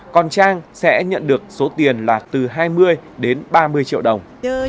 còn trang sẽ nhận được số tiền là từ hai mươi đến ba mươi triệu đồng